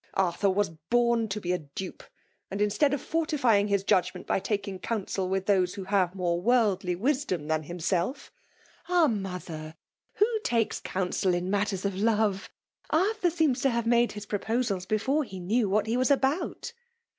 Arthur iras \)ointol)ecidupe I and ixistead of fortifying his jadgment \>y taking ooiinsel with those who have moire VQii\d\y wisdom than himself —^ ''Ahl moiheKl — fVho takes council in mat* ters of love? AxthuT seems to have made his pvoposals before he knew what be was about."